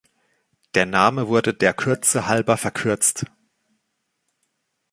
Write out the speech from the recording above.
Der Name wurde der Kürze halber verkürzt.